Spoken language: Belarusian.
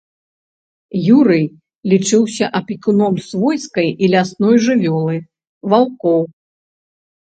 Юрый лічыўся апекуном свойскай і лясной жывёлы, ваўкоў.